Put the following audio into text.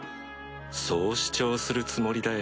そう主張するつもりだよ。